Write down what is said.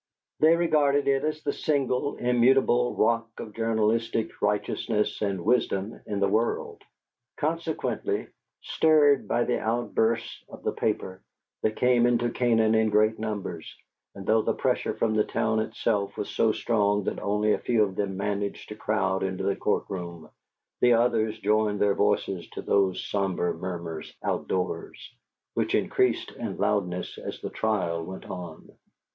They regarded it as the single immutable rock of journalistic righteousness and wisdom in the world. Consequently, stirred by the outbursts of the paper, they came into Canaan in great numbers, and though the pressure from the town itself was so strong that only a few of them managed to crowd into the court room, the others joined their voices to those sombre murmurs outdoors, which increased in loudness as the trial went on.